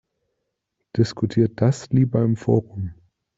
Diskutiert das lieber im Forum!